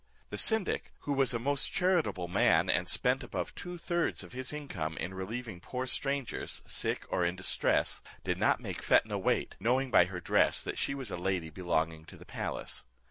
The syndic, who was a most charitable man, and spent above two thirds of his income in relieving poor strangers, sick or in distress, did not make Fetnah wait, knowing by her dress that she was a lady belonging to the palace.